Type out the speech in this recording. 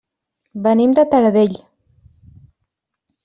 Venim de Taradell.